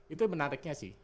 itu yang menariknya sih